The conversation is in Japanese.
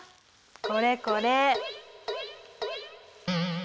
これこれ！